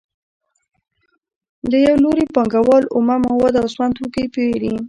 له یو لوري پانګوال اومه مواد او سون توکي پېري